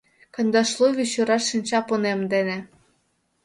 Кандашлувичураш шинча пунем дене